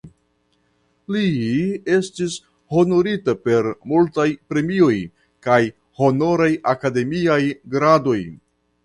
Li estis honorita per multaj premioj kaj honoraj akademiaj gradoj.